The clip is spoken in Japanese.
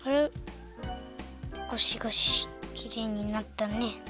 ゴシゴシきれいになったね。